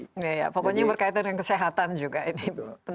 ya ya pokoknya berkaitan dengan kesehatan juga ini pentingnya